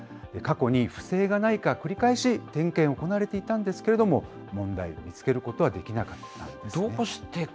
過去に不正がないか繰り返し点検が行われていたんですけれども、問題を見つけることはできなかったんですね。